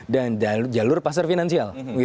dan jalur pasar finansial